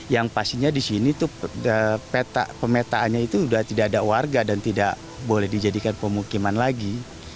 yang pastinya di sini tuh peta pemetaannya itu sudah tidak ada warga dan tidak boleh dijadikan pemukiman lagi